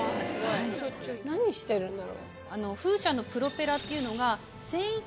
何してるんだろう。